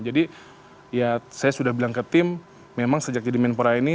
ya saya sudah bilang ke tim memang sejak jadi menpora ini